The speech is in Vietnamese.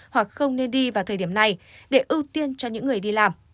hoặc không nên đi vào thời điểm này để ưu tiên cho những người đi làm